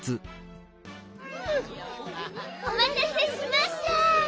おまたせしました！